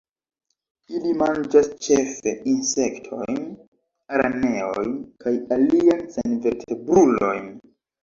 Ili manĝas ĉefe insektojn, araneojn kaj aliajn senvertebrulojn.